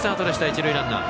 一塁ランナー。